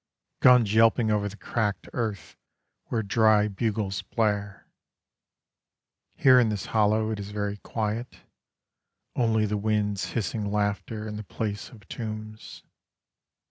Guns yelping over the cracked earth, Where dry bugles blare. Here in this hollow It is very quiet, Only the wind's hissing laughter In the place of tombs.